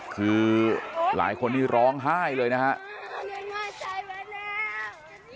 คือหลายคนนี้ร้องไห้เลยนะฮะ